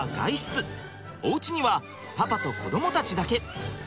おうちにはパパと子どもたちだけ。